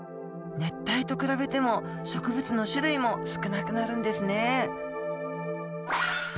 熱帯と比べても植物の種類も少なくなるんですね。